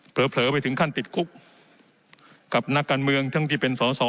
เผลอไปถึงขั้นติดคุกกับนักการเมืองทั้งที่เป็นสอสอ